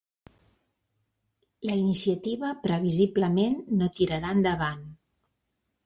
La iniciativa previsiblement no tirarà endavant.